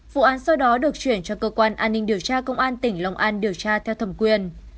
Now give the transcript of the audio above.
vụ án sau đó được chuyển cho cơ quan an ninh điều tra công an tỉnh lòng an điều tra theo thẩm quyền